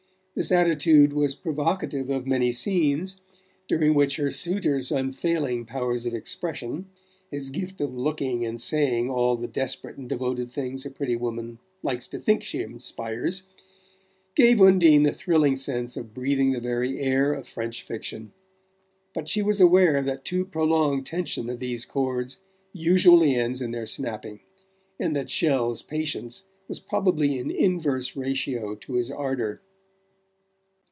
This attitude was provocative of many scenes, during which her suitor's unfailing powers of expression his gift of looking and saying all the desperate and devoted things a pretty woman likes to think she inspires gave Undine the thrilling sense of breathing the very air of French fiction. But she was aware that too prolonged tension of these cords usually ends in their snapping, and that Chelles' patience was probably in inverse ratio to his ardour.